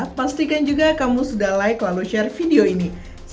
dan pastikan juga kamu sudah like lalu share video ini